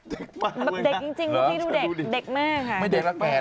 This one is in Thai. เด็กมากค่ะหรอใช่เหรอไม่ได้ลักแปดแล้วพรุ่งนี้ดูเด็กจริงรู้ที่ดูเด็กเด็กมากค่ะ